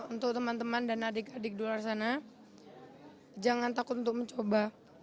untuk teman teman dan adik adik di luar sana jangan takut untuk mencoba